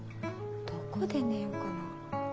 どこで寝ようかな。